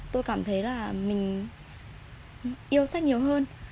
tôi cảm thấy là mình yêu sách nhiều hơn